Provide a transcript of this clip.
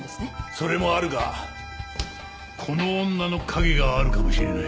それもあるがこの女の影があるかもしれない。